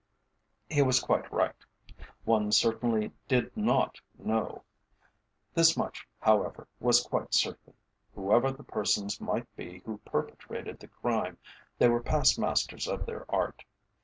He was quite right; one certainly did not know. This much, however, was quite certain: whoever the persons might be who perpetrated the crime, they were past masters of their art.